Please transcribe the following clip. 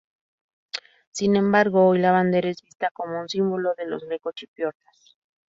Sin embargo, hoy la bandera es vista como un símbolo de los grecochipriotas.